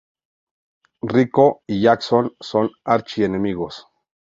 Rico y Jackson son archi-enemigos.